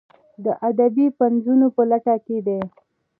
د ادبي پنځونو په لټه کې دي.